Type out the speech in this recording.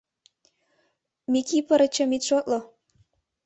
Микипырычым ит шотло...